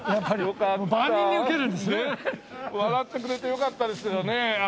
笑ってくれてよかったですけどね。